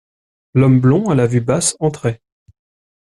Un homme blond, à la vue basse, entrait.